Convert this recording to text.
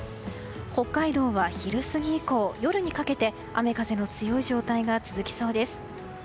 北海道は昼過ぎ以降夜にかけて雨風の強い状態が続きそうです。